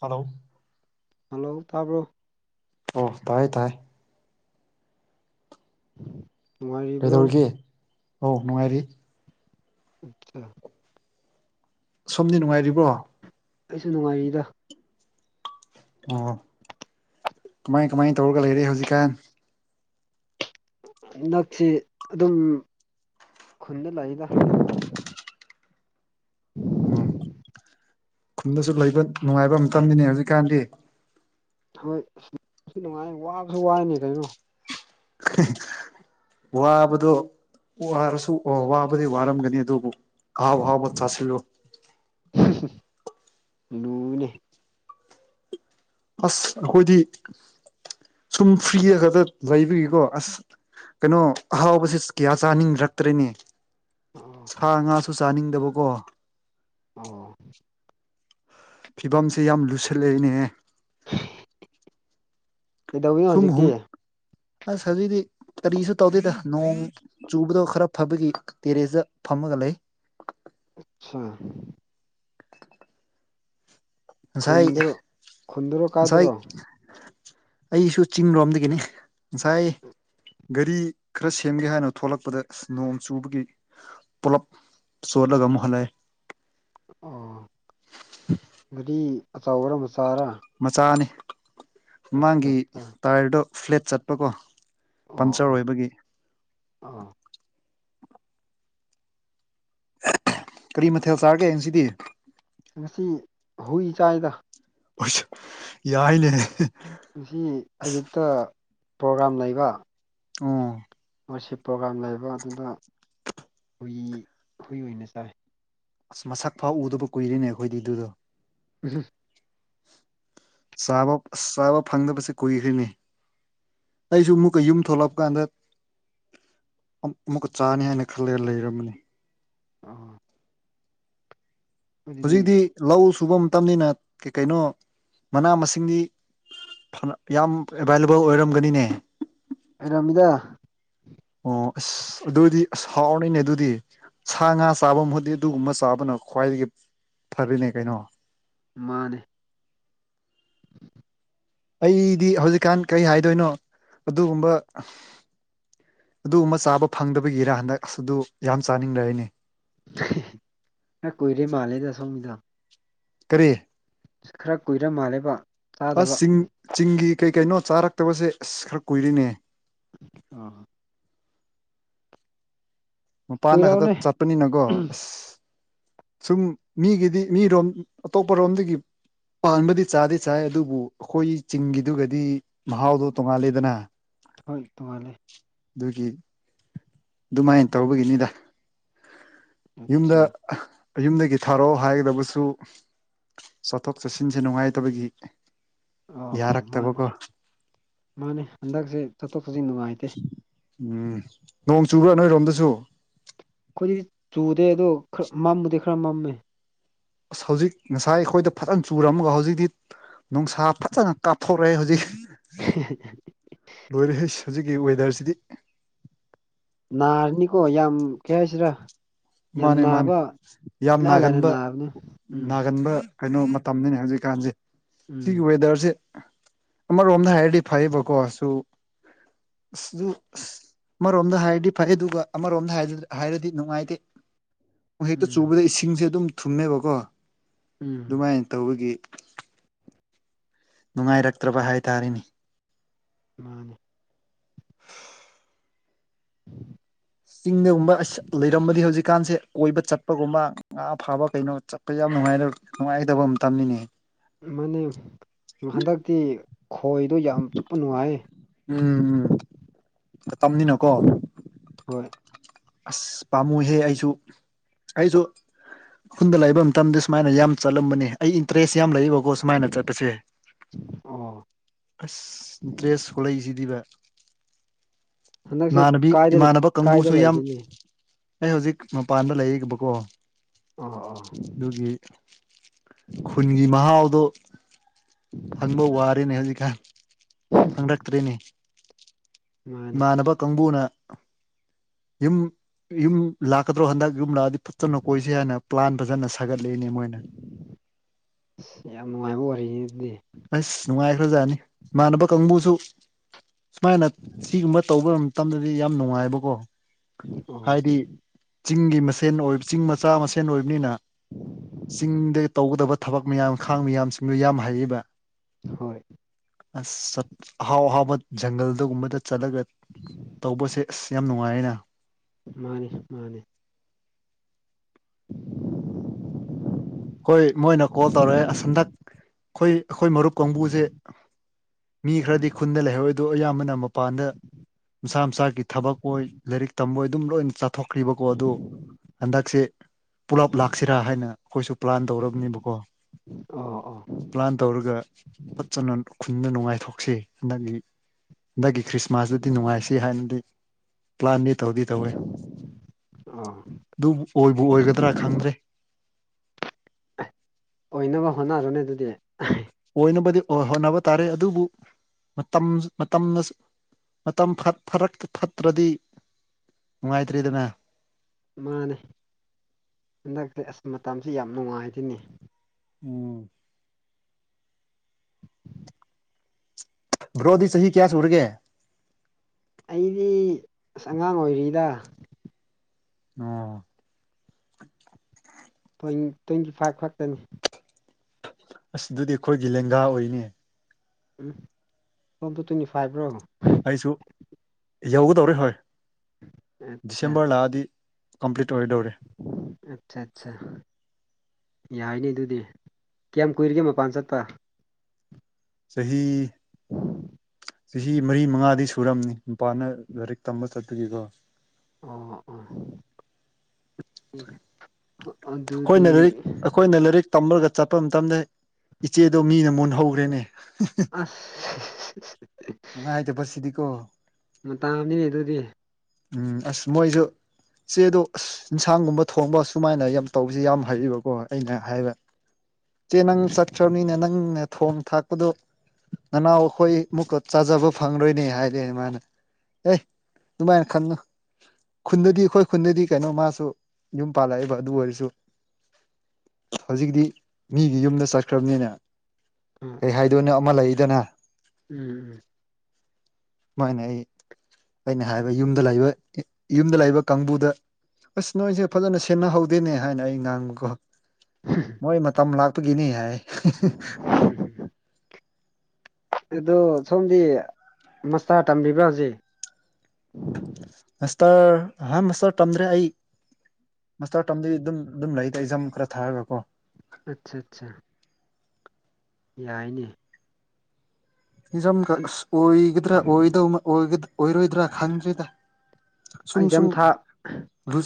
hello hello ꯇꯥꯕ꯭ꯔꯣ ꯑꯣ ꯇꯥꯏ ꯇꯥꯏ ꯅꯨꯡꯉꯥꯏꯔꯤꯕ꯭ꯔꯣ ꯀꯩꯗꯧꯔꯤꯒꯦ ꯑꯧ ꯅꯨꯡꯉꯥꯏꯔꯤ ꯑꯆꯥ ꯁꯣꯝꯗꯤ ꯅꯨꯡꯉꯥꯏꯔꯤꯕ꯭ꯔꯣ ꯑꯩꯁꯨ ꯅꯨꯡꯉꯥꯏꯔꯤꯗ ꯑꯣ ꯀꯃꯥꯏ ꯀꯃꯥꯏ ꯇꯧꯔꯒ ꯂꯩꯔꯦ ꯍꯧꯖꯤꯛꯀꯥꯟ ꯉꯛꯁꯤ ꯑꯗꯨꯝ ꯈꯨꯟꯗ ꯂꯩꯗꯥ [inaudible] ꯎꯝ ꯈꯨꯝꯗꯁꯨ ꯂꯩꯕ ꯅꯨꯡꯉꯥꯏꯕꯔꯣ ꯃꯤꯐꯝꯅꯤꯅꯦ ꯍꯧꯖꯤꯛꯀꯥꯟꯗꯤ ꯍꯣꯏꯁꯨ ꯅꯨꯡꯉꯥꯏ ꯋꯥꯕꯁꯨ ꯋꯥꯏꯅꯤ ꯀꯩꯅꯣ ꯋꯥꯕꯗꯣ ꯋꯥꯔꯁꯨ ꯋꯥꯕꯗꯤ ꯋꯥꯔꯝꯒꯅꯤ ꯑꯗꯨꯕꯨ ꯑꯥꯎ ꯍꯥꯎꯕ ꯆꯥꯁꯤꯜꯂꯨ [unintelligible] ꯑꯁ ꯑꯩꯈꯣꯏꯗꯤ ꯁꯨꯝ ꯐ꯭ꯔꯤ ꯑꯒꯗ ꯂꯩꯕꯤꯒꯀꯣ ꯑꯁ ꯀꯩꯅꯣ ꯑꯍꯥꯎꯕꯁꯤ ꯀꯌꯥ ꯆꯥꯅꯤꯡꯗꯔꯛꯇ꯭ꯔꯦꯅꯦ ꯑꯣ ꯁꯥ ꯉꯥꯁꯨ ꯆꯥꯅꯤꯡꯗꯕꯀꯣ ꯑ ꯐꯤꯕꯝꯁꯦ ꯌꯥꯝ ꯂꯨꯁꯜꯂꯦꯅꯦꯍꯦ [inaudible] ꯀꯩꯗꯧꯋꯤꯅꯣ ꯁꯨꯝ ꯍꯧꯖꯤꯛꯇꯤ ꯍꯨꯝ ꯑꯁ ꯍꯧꯖꯤꯛꯗꯤ ꯀꯔꯤꯁꯨ ꯇꯧꯗꯦꯗ ꯅꯣꯡ ꯆꯨꯕꯗꯣ ꯈꯔ ꯐꯕꯒꯤ ꯇꯦꯔꯦꯖꯇ ꯐꯝꯃꯒ ꯂꯩ ꯁꯦ ꯉꯁꯥꯏ ꯈꯨꯟꯗꯔꯣ ꯈꯨꯟꯗꯔꯣ ꯉꯁꯥꯏ ꯀꯥꯏꯗꯔꯣ ꯑꯩꯁꯨ ꯆꯤꯡ ꯂꯣꯝꯗꯒꯤꯅꯤ ꯉꯁꯥꯏ ꯒꯥꯔꯤ ꯈꯔ ꯁꯦꯝꯒꯦ ꯍꯥꯏꯅ ꯊꯣꯛꯂꯛꯄꯗ ꯅꯣꯡ ꯆꯨꯕꯒꯤ ꯄꯨꯂꯞ ꯆꯣꯠꯂꯒ ꯃꯨꯛ ꯍꯂꯛꯑꯦ ꯑꯣ ꯒꯥꯔꯤ ꯑꯆꯧꯕꯔꯥ ꯃꯆꯥꯔꯥ ꯃꯆꯥꯅꯤ ꯑꯠꯆꯥ ꯃꯃꯥꯡꯒꯤ ꯑꯠꯆꯥ ꯇꯥꯏꯌꯔꯗꯣ ꯐ꯭ꯂꯦꯠ ꯆꯠꯄꯀꯣ ꯄꯝꯆꯔ ꯑꯣꯏꯕꯒꯤ ꯑꯥ ꯀꯔꯤ ꯃꯊꯦꯜ ꯆꯥꯔꯒꯦ ꯉꯥꯁꯤꯗꯤ ꯉꯁꯤ ꯍꯨꯏ ꯆꯥꯏꯗ ꯍꯨꯏꯁꯨ ꯌꯥꯏꯅꯦ ꯑꯍ ꯉꯁꯤ ꯑꯌꯨꯛꯇ ꯄ꯭ꯔꯣꯒꯔꯥꯝ ꯂꯩꯕ ꯑꯣ ꯃꯣꯏꯁꯤ ꯄ꯭ꯔꯣꯒꯥꯝ ꯂꯩꯕ ꯑꯗꯨꯗ ꯍꯨꯏ ꯍꯨꯏ ꯑꯣꯏꯅ ꯆꯥꯏ ꯑꯁ ꯃꯁꯛ ꯐꯥꯎ ꯎꯗꯕ ꯀꯨꯏꯔꯤꯅꯦ ꯑꯩꯈꯣꯏꯗꯤ ꯑꯗꯨꯗꯣ ꯎꯝꯍꯨꯝ ꯆꯥꯕ ꯑꯁ ꯆꯥꯕ ꯐꯪꯗꯕꯁꯦ ꯀꯨꯏꯈ꯭ꯔꯦꯅꯦ ꯑꯩꯁꯨ ꯑꯃꯨꯛꯀ ꯌꯨꯝ ꯊꯣꯛꯂꯞ ꯀꯥꯟꯗ ꯑ ꯑꯃꯨꯛꯀ ꯆꯥꯅꯤ ꯍꯥꯏꯅ ꯈꯜꯂꯒ ꯂꯩꯔꯝꯅꯤ ꯑꯥ ꯍꯧꯖꯤꯛꯇꯤ ꯂꯧ ꯁꯨꯕ ꯃꯇꯝꯅꯤꯅ ꯀꯩ ꯀꯩꯅꯣ ꯃꯅꯥ ꯃꯁꯤꯡꯗꯤ ꯐꯥꯅꯥ ꯌꯥꯝ ꯑꯦꯚꯥꯏꯂꯦꯕꯜ ꯑꯣꯏꯔꯝꯒꯅꯤꯅꯦ ꯑꯦ ꯔꯥꯃꯤꯗꯥ ꯑꯣ ꯑꯁ ꯑꯗꯨꯗꯤ ꯑꯁ ꯍꯥꯎꯔꯅꯤꯅꯦ ꯑꯗꯨꯗꯤ ꯁꯥ ꯉꯥ ꯆꯥꯕ ꯃꯍꯨꯠꯇꯤ ꯑꯗꯨꯒꯨꯝꯕ ꯆꯥꯕꯅ ꯈ꯭ꯋꯥꯏꯗꯒꯤ ꯐꯔꯤꯅꯦ ꯀꯩꯅꯣ ꯃꯥꯅꯦ [inaudible] ꯑꯩꯒꯤꯗꯤ ꯍꯧꯖꯤꯛꯀꯥꯟ ꯀꯔꯤ ꯍꯥꯏꯗꯣꯏꯅꯣ ꯑꯗꯨꯒꯨꯝꯕ ꯑꯗꯨꯒꯨꯝꯕ ꯆꯥꯕ ꯐꯪꯗꯕꯒꯤꯔ ꯍꯟꯗꯛ ꯑꯁ ꯑꯗꯨ ꯌꯥꯝ ꯆꯥꯅꯤꯡꯂꯩꯔꯦꯅꯦ ꯈꯔꯥ ꯀꯨꯏꯔꯦ ꯃꯥꯂꯦꯅꯦ ꯁꯣꯃꯤꯗꯣ ꯀꯔꯤ ꯑꯁ ꯈꯔ ꯀꯨꯏꯔ ꯃꯥꯜꯂꯦꯀꯣ ꯑꯁ ꯆꯤꯡ ꯆꯤꯡꯒꯤ ꯀꯩ ꯀꯩꯅꯣ ꯆꯥꯔꯛꯇꯕꯁꯦ ꯑꯁ ꯈꯔ ꯀꯨꯏꯔꯤꯅꯦ ꯑ ꯃꯄꯥꯟꯗ ꯈꯛꯇ ꯀꯨꯏꯔꯕꯅꯦ ꯆꯠꯄꯅꯤꯅꯀꯣ ꯑꯁ ꯁꯨꯝ ꯃꯤꯒꯤꯗꯤ ꯃꯤꯔꯣꯝ ꯑꯇꯣꯞꯄꯔꯣꯝꯗꯒꯤ ꯄꯥꯟꯕꯗꯤ ꯆꯥꯗꯤ ꯆꯥꯏꯌꯦ ꯑꯗꯨꯕꯨ ꯑꯩꯈꯣꯏ ꯆꯤꯡꯒꯤꯗꯨꯒꯗꯤ ꯃꯍꯥꯎꯗꯨ ꯇꯣꯡꯉꯥꯂꯦꯗꯅ ꯍꯣꯏ ꯇꯣꯉꯂꯦ ꯑꯗꯨꯒꯤ ꯑꯗꯨꯃꯥꯏ ꯇꯧꯕꯒꯤꯅꯤꯗ ꯌꯨꯝꯗ ꯑꯠꯆꯥ ꯑ ꯌꯨꯝꯗꯒꯤ ꯊꯥꯔꯛꯑꯣ ꯍꯥꯏꯒꯗꯕꯁꯨ ꯆꯠꯊꯣꯛ ꯆꯠꯁꯤꯟꯁꯦ ꯅꯨꯡꯉꯥꯏꯇꯕꯒꯤ ꯑꯣ ꯑꯣ ꯃꯥꯅꯦ ꯌꯥꯔꯛꯇꯕꯀꯣ ꯃꯥꯅꯦ ꯍꯟꯗꯛꯁꯦ ꯆꯠꯊꯣꯛ ꯆꯠꯁꯤꯟ ꯅꯨꯡꯉꯥꯏ ꯎꯝ ꯅꯣꯡ ꯆꯨꯕꯔꯥ ꯅꯣꯏꯔꯣꯝꯗꯁꯨ ꯑꯩꯈꯣꯏꯒꯤ ꯆꯨꯗꯦ ꯑꯗꯣ ꯈꯔ ꯃꯝꯕꯗꯤ ꯈꯔ ꯃꯝꯃꯦ ꯑꯁ ꯍꯧꯖꯤꯛ ꯉꯁꯥꯏ ꯑꯩꯈꯣꯏꯗ ꯐꯖꯅ ꯆꯨꯔꯝꯃꯒ ꯍꯧꯖꯤꯛꯇꯤ ꯄꯍ ꯅꯨꯡꯁꯥ ꯐꯖꯅ ꯀꯥꯞꯊꯣꯔꯛꯑꯦ ꯍꯨꯖꯤꯛ [unintelligible] ꯂꯣꯏꯔꯦ ꯍꯧꯖꯤꯛꯀꯤ ꯋꯦꯗꯔꯁꯤꯗꯤ ꯅꯅꯥꯍꯔꯅꯤꯀꯣ ꯌꯥꯝ ꯀꯌꯥ ꯍꯥꯏꯁꯤꯔ ꯃꯥꯅꯦ ꯃꯥꯅꯦ ꯌꯥꯝ ꯏꯂꯥꯏ ꯂꯥꯏꯅ ꯅꯥꯒꯟꯕ ꯅꯥꯕꯅꯦ ꯎꯝ ꯅꯥꯒꯟꯕ ꯀꯩꯅꯣ ꯃꯇꯝꯅꯤꯅꯦ ꯍꯧꯖꯤꯛꯀꯥꯟꯁꯦ ꯁꯤꯒꯤ ꯎꯝ ꯋꯦꯗꯔꯁꯦ ꯑꯃ ꯔꯣꯝꯙꯥꯏꯗꯤ ꯐꯥꯏꯕ ꯀꯣ ꯑꯁꯨꯣ ꯑ ꯑꯃꯔꯣꯝꯗ ꯍꯥꯏꯔꯗꯤ ꯐꯩ ꯑꯗꯨꯒ ꯑꯃꯔꯣꯝꯗ ꯍꯥꯏꯔꯗꯤ ꯅꯨꯡꯉꯥꯏꯇꯦ ꯅ ꯍꯦꯛꯇ ꯎꯝ ꯆꯨꯕꯗ ꯏꯁꯤꯡꯁꯦ ꯑꯗꯨꯝ ꯊꯨꯝꯃꯦꯕꯀꯣ ꯎꯝ ꯑꯗꯨꯃꯥꯏꯅ ꯇꯧꯕꯒꯤ ꯅꯨꯡꯉꯥꯏꯔꯛꯇ꯭ꯔꯕ ꯍꯥꯏꯇꯥꯔꯦꯅꯤ ꯃꯥꯅꯦ ꯆꯤꯡꯗꯒꯨꯝꯕ ꯑꯁ ꯂꯩꯔꯝꯕꯗꯤ ꯍꯧꯖꯤꯛ ꯀꯥꯟꯁꯦ ꯀꯣꯏꯕ ꯆꯠꯄꯒꯨꯝꯕ ꯉꯥ ꯐꯥꯕ ꯀꯩꯅꯣ ꯆꯠꯄ ꯌꯥꯝ ꯅꯨꯡꯉꯥꯢꯗ ꯅꯨꯡꯉꯥꯏꯒꯗꯕ ꯃꯇꯝꯅꯤꯅꯦ ꯃꯅꯦ ꯍꯟꯗꯛꯇꯤ ꯈꯣꯏꯗꯣ ꯌꯥꯝ ꯆꯨꯞꯄ ꯅꯨꯡꯉꯥꯏꯌꯦ ꯎꯝꯎꯝ ꯈꯇꯝꯅꯤꯅꯀꯣ ꯍꯣꯏ ꯑꯁ ꯄꯥꯃꯨꯍꯦ ꯑꯩꯁꯨ ꯑꯩꯁꯨ ꯈꯨꯈꯨꯟꯗ ꯂꯩꯕ ꯃꯇꯝꯗ ꯁꯨꯃꯥꯏꯅ ꯌꯥꯝ ꯆꯠꯂꯝꯕꯅꯤ ꯑꯩ ꯏꯟꯇꯔꯦꯁ ꯌꯥꯝ ꯂꯩꯕꯀꯣ ꯁꯨꯃꯥꯏꯅ ꯆꯠꯄꯁꯦ [unintelligible] ꯑꯥ ꯑꯁ ꯏꯟꯇꯔꯦꯁ ꯊꯣꯛꯂꯛꯏꯁꯤꯗꯤꯕ ꯍꯟꯗꯛꯁꯦ ꯏꯃꯥꯟꯅꯕꯤ ꯀꯥꯏꯗ ꯏꯃꯥꯟꯅꯕ ꯀꯥꯏꯗ ꯀꯥꯡꯕꯨꯁꯨ ꯌꯥꯝ ꯂꯩꯒꯅꯤ ꯑꯩ ꯍꯧꯖꯤꯛ ꯃꯄꯥꯟꯗ ꯂꯩꯔꯤꯕꯈꯤꯕꯀꯣ ꯑꯣ ꯑꯣ ꯑꯗꯨꯒꯤ ꯈꯨꯟꯒꯤ ꯃꯍꯥꯎꯗꯣ ꯐꯪꯕ ꯋꯥꯔꯦꯅꯦ ꯍꯧꯖꯤꯛꯀꯥꯟ ꯈꯪꯪꯂꯛꯇ꯭ꯔꯤꯅꯤ ꯃꯥꯅꯦ ꯏꯃꯥꯟꯅꯕ ꯀꯥꯡꯕꯨꯅ ꯌꯨꯝ ꯌꯨꯝ ꯂꯥꯛꯀꯗ꯭ꯔꯣ ꯍꯟꯗꯛ ꯌꯨꯝ ꯂꯥꯛꯑꯗꯤ ꯐꯖꯅ ꯀꯣꯏꯁꯤ ꯍꯥꯏꯅ ꯄ꯭ꯂꯥꯟ ꯐꯖꯅ ꯁꯥꯒꯠꯂꯛꯏꯅꯦ ꯃꯣꯏ ꯑꯁ ꯌꯥꯝ ꯅꯨꯡꯉꯥꯏꯕ ꯋꯥꯔꯤꯗꯤ ꯑꯁ ꯅꯨꯡꯉꯥꯏꯈ꯭ꯔꯖꯥꯠꯅꯤ ꯏꯃꯥꯟꯅꯕ ꯀꯥꯡꯕꯨꯁꯨ ꯁꯨꯃꯥꯏꯅ ꯁꯤꯒꯨꯝꯕ ꯇꯧꯕ ꯃꯇꯝꯗꯗꯤ ꯌꯥꯝ ꯅꯨꯡꯉꯥꯏꯕꯀꯣ ꯑꯣ ꯍꯥꯏꯗꯤ ꯆꯤꯡꯒꯤ ꯃꯁꯦꯟ ꯑꯣꯏꯕ ꯆꯤꯡ ꯃꯆꯥ ꯃꯁꯦꯟ ꯑꯣꯏꯕꯅꯤꯅ ꯆꯤꯡꯗ ꯇꯧꯒꯗꯕ ꯊꯕꯛ ꯃꯌꯥꯝ ꯈꯥꯡ ꯃꯌꯥꯝꯁꯤꯡꯗꯨꯣ ꯌꯥꯝ ꯍꯩꯕ ꯍꯣꯏ ꯑꯁ ꯆꯠ ꯑꯍꯥꯎ ꯑꯍꯥꯎꯕ ꯖꯪꯒꯜꯗꯒꯨꯝꯕꯗ ꯆꯠꯂꯒ ꯇꯧꯕꯁꯦ ꯑꯁ ꯌꯥꯝ ꯅꯨꯡꯉꯥꯏꯌꯦꯅ ꯃꯥꯅꯤ ꯃꯥꯅꯦ [unintelligible] ꯍꯣꯏ ꯃꯣꯏꯅ ꯀꯣꯜ ꯇꯧꯔꯛꯑꯦ ꯑ ꯍꯟꯗꯛ ꯑꯩꯈꯣꯏ ꯑꯩꯈꯣꯏ ꯃꯔꯨꯞ ꯀꯥꯡꯕꯨꯁꯦ ꯃꯤ ꯈꯔꯗꯤ ꯈꯨꯟꯗ ꯂꯩꯍꯧꯋꯗ ꯑꯌꯥꯝꯕꯅ ꯑꯃ ꯃꯄꯥꯟꯗ ꯃꯁꯥ ꯃꯁꯥꯒꯤ ꯊꯕꯛ ꯑꯣꯏ ꯂꯥꯏꯔꯤꯛ ꯇꯝꯝꯕꯣꯏ ꯑꯗꯨꯝ ꯂꯣꯏꯅ ꯆꯠ ꯊꯣꯛꯈ꯭ꯔꯤꯕꯀꯣ ꯑꯗꯨ ꯍꯟꯗꯛꯁꯦ ꯄꯨꯂꯞ ꯂꯥꯛꯁꯤꯔꯥ ꯍꯥꯏꯅ ꯑꯩꯈꯣꯏꯁꯨ ꯄ꯭ꯂꯥꯟ ꯇꯧꯔꯕꯅꯦꯕꯀꯣ ꯑꯣ ꯑꯣ ꯄ꯭ꯂꯥꯟ ꯇꯧꯔꯒ ꯐꯖꯅ ꯈꯨꯗ ꯅꯨꯡꯉꯥꯏꯊꯣꯛꯁꯤ ꯍꯟꯗꯛꯀꯤ ꯍꯟꯗꯛꯀꯤ ꯈ꯭ꯔꯤꯁꯃꯥꯁꯇꯗꯤ ꯅꯨꯡꯉꯥꯏꯁꯤ ꯍꯥꯏꯅꯗꯤ ꯄ꯭ꯂꯥꯟꯗꯤ ꯇꯧꯗꯤ ꯇꯧꯋꯦ ꯑꯣ ꯑꯗꯨꯕꯨ ꯑꯣꯏꯕꯨ ꯑꯣꯏꯒꯗ꯭ꯔꯥ ꯈꯪꯗ꯭ꯔꯦ ꯑꯣꯏꯅꯕ ꯍꯣꯠꯅꯔꯅꯦ ꯑꯗꯨꯗꯤ ꯑꯣꯏꯅꯕꯗꯤ ꯍꯣꯠꯅꯕ ꯇꯥꯔꯦ ꯑꯗꯨꯕꯨ ꯃꯇꯝ ꯃꯇꯝꯅ ꯃꯇꯝ ꯐꯔꯛꯇ ꯐꯠꯇ꯭ꯔꯗꯤ ꯅꯨꯡꯉꯥꯏꯇ꯭ꯔꯦꯗꯅ ꯃꯥꯅꯦ ꯍꯟꯗꯛꯇꯤ ꯑꯁ ꯃꯇꯝꯁꯤ ꯌꯥꯝ ꯅꯨꯡꯉꯥꯏꯇꯣꯏꯅꯦ ꯎꯝ ꯕ꯭ꯔꯣꯗꯤ ꯆꯍꯤꯍꯤ ꯀꯌꯥ ꯁꯨꯔꯒꯦ ꯑꯩꯗꯤ ꯑꯁ ꯑꯉꯥꯡ ꯑꯣꯏꯔꯤꯗ ꯑꯣ ꯇ꯭ꯋꯦꯟꯇꯤ ꯐꯥꯏꯚ ꯈꯛꯇꯅꯤ ꯑꯁꯤ ꯑꯗꯨꯗꯤ ꯑꯩꯈꯣꯏꯒꯤ ꯂꯦꯡꯒꯥ ꯑꯣꯏꯅꯤ ꯎꯝ ꯐꯣꯕꯨ ꯇ꯭ꯋꯦꯟꯇꯤ ꯐꯥꯏꯕ꯭ꯔꯣ ꯑꯩꯁꯨ ꯌꯧꯒꯗꯧꯔꯦ ꯍꯣꯏ ꯑꯠꯆꯥ ꯗꯤꯁꯦꯝꯕꯔ ꯂꯥꯛꯑꯗꯤ ꯀꯝꯄ꯭ꯂꯂꯤꯠ ꯑꯣꯏꯔ ꯗꯧꯔꯦ ꯑꯆꯥ ꯑꯠꯆꯥ ꯌꯥꯏꯅꯤ ꯑꯗꯨꯗꯤ ꯀꯌꯥꯝ ꯀꯨꯏꯔꯒꯦ ꯃꯄꯥꯟ ꯆꯠꯄ ꯆꯍꯤ ꯆꯍꯤ ꯃꯔꯤ ꯃꯉꯥꯗꯤ ꯁꯨꯔꯝꯅꯤ ꯅꯨꯄꯥꯅ ꯂꯥꯏꯔꯤꯛ ꯇꯝꯕ ꯆꯠꯄꯒꯤꯀꯣ ꯑꯣ ꯑꯣ ꯑꯗꯨ ꯑꯗꯨ ꯑꯩꯈꯣꯏꯅꯗꯤ ꯑꯩꯈꯣꯏꯅ ꯂꯥꯏꯔꯤꯛ ꯇꯝꯃꯒ ꯆꯠꯄ ꯃꯇꯝꯗ ꯏꯆꯦꯗꯣ ꯃꯤꯅ ꯃꯨꯟ ꯍꯧꯧꯈ꯭ꯔꯦꯅꯦ ꯑꯁ ꯅꯨꯡꯉꯥꯏꯇꯕ ꯁꯤꯗꯤꯀꯣ ꯃꯇꯥꯅꯤꯅꯦ ꯑꯗꯨꯗꯤ ꯎꯝ ꯑꯁ ꯃꯣꯏꯁꯨ ꯆꯦꯗꯣ ꯑꯁ ꯏꯟꯁꯥꯡꯒꯨꯝꯕ ꯊꯣꯡꯕ ꯁꯨꯃꯥꯏꯅ ꯌꯥꯝ ꯇꯧꯕꯁꯤ ꯌꯥꯝ ꯍꯩꯕꯀꯣ ꯑꯩꯅ ꯍꯥꯏꯕ ꯆꯦ ꯅꯪ ꯆꯠꯈ꯭ꯔꯕꯅꯤꯅꯦ ꯅꯪꯅꯦ ꯊꯣꯡ ꯊꯥꯛꯄꯗꯣ ꯅꯅꯥꯎ ꯑꯩꯈꯣꯏ ꯑꯃꯨꯛꯀ ꯆꯥꯖꯕ ꯐꯪꯂꯔꯣꯏꯅꯦ ꯍꯥꯏꯔꯑ ꯃꯥꯅ ꯑꯦ ꯑꯗꯨꯃꯥꯏꯅ ꯈꯟꯅꯂꯨ ꯈꯨꯟꯗꯗꯤ ꯑꯩꯈꯣꯏ ꯈꯨꯟꯗꯗꯤ ꯀꯩꯅꯣ ꯃꯥꯁꯨ ꯌꯨꯝ ꯄꯥꯜꯂꯛꯑꯦꯕ ꯑꯗꯨ ꯑꯣꯏꯔꯁꯨ ꯍꯧꯖꯤꯛꯇꯤ ꯃꯤꯒꯤ ꯌꯨꯝꯗ ꯆꯠꯈ꯭ꯔꯕꯅꯤꯅ ꯎꯝ ꯀꯩ ꯍꯥꯏꯗꯣꯏꯅꯣ ꯑꯃ ꯂꯩꯗꯅ ꯎꯝ ꯎꯝ ꯃꯥꯏꯅ ꯑꯩ ꯑꯩꯅ ꯍꯥꯏꯕ ꯌꯨꯝꯗ ꯂꯩꯕ ꯌꯨꯝꯗ ꯂꯩꯕ ꯀꯥꯡꯕꯨꯗ ꯑꯁ ꯅꯣꯏꯁꯦ ꯐꯖꯅ ꯁꯦꯟꯅꯍꯧꯗꯦꯅꯦ ꯍꯥꯏꯅ ꯑꯩ ꯉꯥꯡꯕꯀꯣ [unintelligible] ꯍꯣꯏ ꯃꯇꯝ ꯂꯥꯛꯄꯒꯤꯅꯤ ꯍꯥꯏ ꯑꯗꯣ ꯁꯣꯝꯗꯤ ꯃꯁꯇꯥ ꯇꯝꯕꯤꯕ꯭ꯔꯥ ꯍꯧꯖꯤꯛ ꯃꯥꯁꯇꯔ ꯑꯍꯥꯟ ꯃꯁꯇꯔ ꯇꯝꯗ꯭ꯔꯦ ꯑꯩ ꯃꯁ ꯇꯝꯗꯤ ꯑꯗꯨꯝ ꯑꯗꯨꯝ ꯂꯩꯇ ꯑꯦꯛꯖꯥꯝ ꯈꯔ ꯊꯥꯑꯒ ꯀꯣ ꯑꯆꯥ ꯑꯆꯥꯆꯥ ꯌꯥꯏꯅꯤ ꯍꯖꯝ ꯑꯁ ꯑꯣꯏꯒꯗꯥ ꯑꯣꯏꯔꯣꯏꯗ꯭ꯔꯥ ꯈꯪꯗ꯭ꯔꯤꯗ ꯁꯨꯝ ꯑꯦꯛꯖꯥꯝ ꯁꯨꯝ ꯊꯥ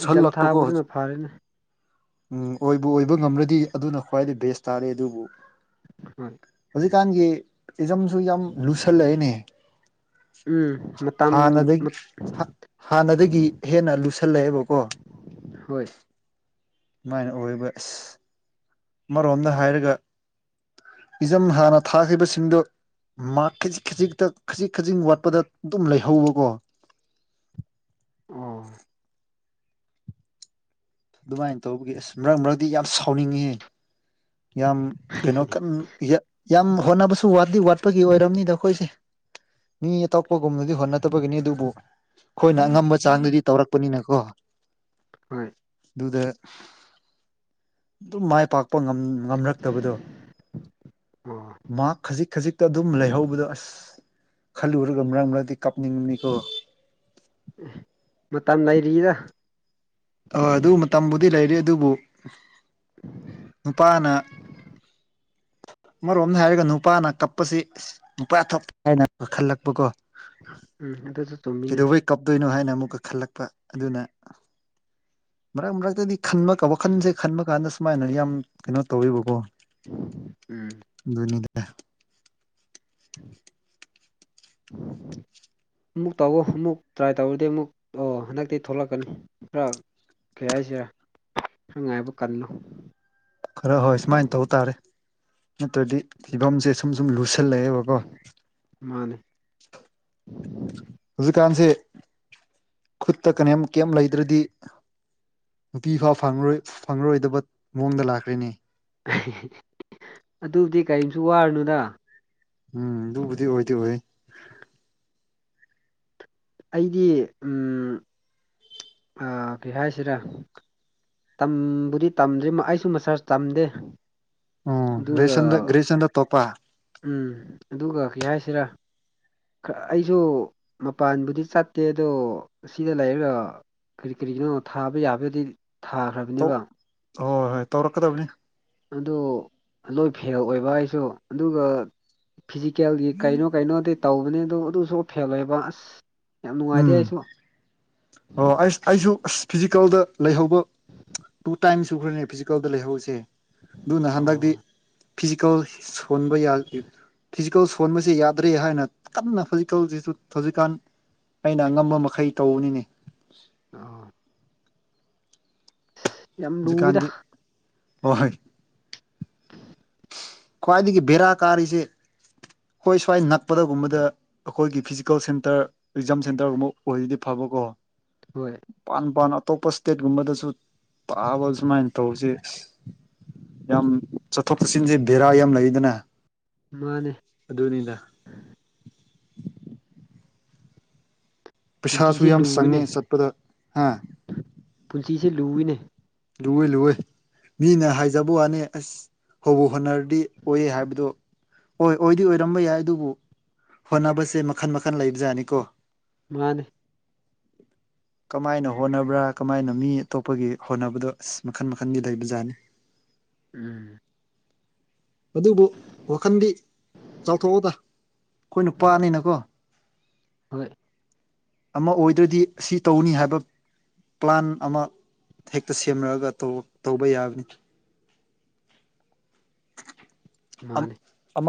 ꯑꯦꯛꯖꯥꯝ ꯀꯣ ꯊꯥꯕꯗꯨꯅ ꯍꯧꯖꯤꯛ ꯐꯔꯦꯅꯦ ꯎꯝ ꯑꯣꯏꯕꯨ ꯑꯣꯏꯕ ꯉꯝ꯭ꯔꯗꯤ ꯑꯗꯨꯅ ꯈ꯭ꯋꯥꯏꯗꯒꯤ ꯕꯦꯁ ꯇꯥꯔꯦ ꯑꯗꯨꯕꯨ ꯍꯣꯏ ꯍꯧꯖꯤꯛꯀꯥꯟꯒꯤ ꯏꯖꯝꯁꯨ ꯌꯥꯝ ꯂꯨꯁꯜꯂꯛꯦꯅꯦ ꯎꯝ ꯃ ꯍꯥꯟꯅꯗꯒꯤ ꯍꯥꯟꯅꯗꯒꯤ ꯍꯦꯟꯅ ꯂꯨꯁꯜꯂꯛꯑꯦꯕꯀꯣ ꯍꯣꯏ ꯃꯥꯥꯏꯅ ꯑꯣꯏꯕ ꯑ ꯑꯃꯔꯣꯝꯗ ꯍꯥꯏꯔꯒ ꯏꯖꯝ ꯍꯥꯟꯅ ꯊꯥꯈ꯭ꯈꯤꯕꯁꯤꯡꯗꯨ ꯃꯥ ꯈꯖꯤꯛ ꯈꯖꯤꯛꯇ ꯈꯖꯤꯛ ꯈꯖꯤꯛ ꯋꯥꯠꯄꯗ ꯑꯗꯨꯝ ꯂꯩꯍꯧꯕꯀꯣ ꯑꯣ ꯑꯗꯨꯃꯥꯏꯅ ꯇꯧꯕꯒꯤ ꯑꯁ ꯃꯔꯛ ꯃꯔꯛꯇꯗꯤ ꯌꯥꯝ ꯁꯥꯎꯅꯤꯡꯉꯤ ꯌꯥꯝ ꯀꯩꯅꯣ ꯌꯥꯝ ꯍꯣꯠꯅꯕꯁꯨ ꯋꯥꯗꯤ ꯋꯥꯠꯄꯒꯤ ꯑꯣꯏꯔꯕꯅꯤꯗ ꯑꯩꯈꯣꯏꯁꯦ ꯃꯤ ꯑꯇꯣꯞꯄꯒꯨꯝꯅꯗꯤ ꯍꯣꯠꯅꯗꯕꯒꯤꯅꯤ ꯑꯗꯨꯕꯨ ꯑꯩꯈꯣꯏꯅ ꯑꯉꯝꯕ ꯆꯥꯡꯗꯗꯤ ꯇꯧꯔꯛꯄꯅꯤꯅꯀꯣ ꯍꯣꯏ ꯑꯗꯨꯗ ꯑꯗꯨꯝ ꯃꯥꯏ ꯄꯥꯛꯄ ꯉꯝ ꯉꯝꯔꯛꯇꯕꯗꯣ ꯑꯣ ꯃ ꯈꯖꯤꯛ ꯈꯖꯤꯛꯇ ꯑꯗꯨꯝ ꯂꯩꯍꯧꯕꯗꯣ ꯑꯁ ꯈꯜꯂꯨꯔꯒ ꯃꯔꯛ ꯃꯔꯗꯤ ꯀꯥꯞꯅꯤꯡꯕꯅꯤꯀꯣ ꯃꯇꯝ ꯂꯩꯔꯤꯗ ꯑꯣꯏ ꯑꯗꯨ ꯃꯇꯝꯕꯨꯗꯤ ꯂꯩꯔꯤ ꯑꯗꯨꯕꯨ ꯅꯨꯄꯥꯅ ꯃꯔꯣꯝꯗ ꯍꯥꯏꯔꯒ ꯅꯨꯄꯥꯅ ꯀꯞꯄꯁꯤ ꯅꯨꯄꯥꯊꯛ ꯍꯥꯏꯅ ꯈꯜꯂꯛꯄ ꯀꯣ ꯎꯝ ꯑꯗꯨꯁꯨ ꯆꯨꯝꯃꯤꯅꯦ ꯀꯞꯇꯣꯏꯅꯣ ꯍꯥꯏꯅ ꯑꯃꯨꯛꯀ ꯈꯜꯂꯛꯄ ꯑꯗꯨꯅ ꯃꯔꯛ ꯃꯔꯛꯇꯗꯤ ꯈꯟꯕ ꯋꯥꯈꯜꯁꯦ ꯈꯟꯕ ꯀꯥꯟꯗ ꯁꯨꯃꯥꯏꯅ ꯌꯥꯝ ꯀꯩꯅꯣ ꯇꯧꯋꯕꯀꯣ ꯎꯝ ꯅꯤꯗ [unintelligible] ꯑꯃꯨꯛ ꯇꯧꯋ ꯑꯃꯨꯛ ꯇ꯭ꯔꯥꯏ ꯇꯧꯔꯗꯤ ꯑꯃꯨꯛ ꯑꯣ ꯍꯟꯗꯛꯇꯤ ꯊꯣꯛꯂꯛꯀꯅꯤ ꯈꯔ ꯀ ꯍꯥꯏꯁꯦ ꯍꯪꯉꯥꯏꯕ ꯀꯜꯂꯨ ꯈꯔ ꯍꯣꯏ ꯁꯨꯃꯥꯏꯅ ꯇꯧ ꯇꯥꯔꯦ ꯅꯠꯇ꯭ꯔꯗꯤ ꯐꯤꯕꯝꯁꯦ ꯁꯨꯝ ꯁꯨꯝ ꯂꯨꯁꯜꯂꯛꯑꯦꯕꯀꯣ ꯃꯥꯅꯦ ꯍꯧꯖꯤꯛꯀꯥꯟꯁꯦ ꯈꯨꯠꯇ ꯀꯅꯝ ꯀꯦꯝꯝ ꯂꯩꯗ꯭ꯔꯗꯤ ꯅꯨꯄꯤ ꯐꯥ ꯐꯪꯂꯉꯣꯏ ꯐꯪꯂꯉꯔꯣꯏꯗꯕ ꯃꯑꯣꯡꯗ ꯂꯥꯛꯈ꯭ꯦꯅꯦ ꯑꯗꯨꯕꯨꯗꯤ ꯀꯔꯤꯝꯁꯨ ꯋꯥꯔꯨꯅꯨꯗ ꯎꯝ ꯑꯗꯨꯕꯨꯗꯤ ꯑꯣꯏꯗꯤ ꯑꯣꯏ ꯑꯩꯗꯤ ꯀꯩ ꯍꯥꯏꯁꯤꯔꯥ ꯇꯝꯕꯨꯗꯤ ꯇꯝꯗ꯭ꯔꯤ ꯑꯩꯁꯨ ꯃꯁꯥ ꯇꯝꯗꯦ ꯎꯝ ꯑꯗꯨꯒ ꯦꯁꯟꯗꯒ꯭ꯔꯦꯁꯟ꯭ꯔ ꯇꯣꯄꯥ ꯎꯝ ꯑꯗꯨꯒ ꯀꯩ ꯍꯥꯏꯁꯤꯔꯥ ꯑꯩꯁꯨ ꯃꯄꯥꯟꯕꯨꯗꯤ ꯆꯠꯇꯦ ꯑꯗꯣ ꯁꯤꯗ ꯂꯩꯔꯒ ꯀꯔꯤ ꯀꯔꯤꯒꯤꯅꯣꯣ ꯊꯥꯕ ꯌꯥꯕꯗꯤ ꯇꯧ ꯊꯥꯈ꯭ꯔꯕꯅꯦꯕ ꯍꯣꯏ ꯍꯣꯏ ꯍꯣꯏ ꯇꯧꯔꯛꯀꯗꯕꯅꯤ ꯑꯗꯨ ꯂꯣꯏ ꯐꯦꯜ ꯑꯣꯏꯕ ꯍꯥꯏꯁꯨ ꯑꯗꯨꯒ ꯐꯤꯖꯤꯀꯦꯜꯒꯤ ꯀꯩꯅꯣ ꯀꯩꯅꯣꯗꯤ ꯇꯧꯕꯅꯦ ꯑꯗꯨꯣ ꯑꯗꯨꯁꯨ ꯐꯦꯜ ꯑꯣꯏꯕ ꯑꯁ ꯌꯥꯝ ꯅꯨꯡꯉꯥꯏꯇꯦ ꯎꯝ ꯑꯩꯁꯨ ꯑꯣ ꯑꯩꯁ ꯑꯩꯁꯨ ꯑꯁ ꯐꯤꯖꯤꯀꯦꯜꯗ ꯂꯩꯍꯧꯕ ꯇꯨ ꯇꯥꯏꯝꯁꯨ ꯈꯔꯅꯦ ꯀꯜꯗ ꯂꯩꯍꯧꯁꯦ ꯑꯗꯨꯅ ꯍꯟꯗꯛꯇꯤ ꯑꯣ ꯐꯤꯖꯤꯀꯦꯜ ꯁꯣꯟꯕ ꯌꯥ ꯐꯤꯖꯤꯀꯦꯜ ꯁꯣꯟꯕꯕꯁꯤ ꯌꯥꯗ꯭ꯔꯦ ꯍꯥꯏꯅ ꯀꯟꯅ ꯐꯤꯖꯤꯀꯦꯜꯁꯤꯁꯨ ꯍꯧꯖꯤꯛꯀꯥꯟ ꯑꯩꯅ ꯑꯉꯝꯕ ꯃꯈꯩ ꯇꯧꯕꯅꯤꯅꯦ ꯑ ꯌꯥꯝ ꯂꯨꯏꯗ ꯍꯧꯖꯤꯛꯀꯥꯟꯗꯤ ꯍ ꯍꯣꯏ ꯈ꯭ꯋꯥꯏꯗꯒꯤ ꯕꯦꯔꯥ ꯀꯥꯔꯤꯁꯦ ꯍꯣꯏ ꯁ꯭ꯋꯥꯏ ꯅꯛꯄꯗꯒꯨꯝꯕꯗ ꯑꯩꯈꯣꯏꯒꯤ ꯐꯤꯖꯤꯀꯦꯜ ꯁꯦꯟꯇꯔ ꯑꯦꯛꯖꯥꯝ ꯁꯦꯟꯇꯔꯒꯨꯝꯕ ꯑꯣꯏꯔꯗꯤ ꯐꯕꯀꯣ ꯍꯣꯏ ꯄꯥꯟ ꯄꯥꯟ ꯑꯇꯣꯞꯄ ꯏꯁꯇꯦꯠꯀꯨꯝꯕꯗꯁꯨ ꯇꯥꯕ ꯁꯨꯃꯥꯏꯅ ꯇꯧꯁꯤꯦ ꯌꯥꯝ ꯆꯠꯊꯣꯛ ꯆꯠꯁꯤꯟꯁꯦ ꯕꯦꯔꯥ ꯌꯥꯝ ꯂꯩꯗꯅ ꯃꯥꯅꯦ ꯑꯗꯨꯅꯤꯅ ꯄꯩꯁꯥꯁꯨ ꯄꯨꯟꯁꯤꯁꯦ ꯌꯥꯝ ꯂꯨꯏꯅꯦ ꯆꯪꯉꯦ ꯆꯠꯄꯗ ꯍꯥ ꯄꯨꯟꯁꯤꯁꯦ ꯂꯨꯏꯅꯦ ꯂꯨꯏ ꯂꯨꯏ ꯃꯤꯅ ꯍꯥꯏꯖꯕ ꯋꯥꯅꯤ ꯑꯁ ꯍꯕꯨ ꯍꯣꯅꯔꯗꯤ ꯑꯣꯏꯑ ꯍꯥꯏꯕꯗꯣ ꯍꯣꯏ ꯑꯣꯏꯗꯤ ꯑꯣꯏꯔꯝꯕ ꯌꯥꯏ ꯑꯗꯨꯕꯨ ꯍꯣꯠꯅꯕꯁꯦ ꯃꯈꯟ ꯃꯈꯜ ꯂꯩꯕꯖꯥꯠꯅꯤꯀꯣ ꯃꯥꯅꯦ ꯀꯃꯥꯏꯅ ꯍꯣꯠꯅꯕ꯭ꯔꯥ ꯀꯃꯥꯏꯅ ꯃꯤ ꯑꯇꯣꯞꯄꯒꯤ ꯍꯣꯠꯅꯕꯗꯣ ꯑꯁ ꯃꯈꯟ ꯃꯈꯟꯒꯤ ꯂꯩꯕꯖꯥꯠꯅꯤ ꯎꯝ ꯑꯗꯨꯕꯨ ꯋꯥꯈꯟꯗꯤ ꯆꯥꯎꯊꯣꯛꯑꯣꯗ ꯑꯩꯈꯣꯏ ꯅꯨꯄꯥꯅꯤꯅꯀꯣ ꯍꯣꯏ ꯑꯃ ꯑꯣꯏꯗ꯭ꯔꯗꯤ ꯑꯁꯤ ꯇꯧꯅꯤ ꯍꯥꯏꯕ ꯄ꯭ꯂꯥꯟ ꯑꯃ ꯍꯦꯛꯇ ꯁꯦꯝꯅꯔꯒ ꯇꯧꯕ ꯌꯥꯕꯅꯤ ꯃꯥꯅꯦ ꯑꯃ